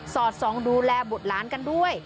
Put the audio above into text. สอดซองดูแลบทล้านกันด้วย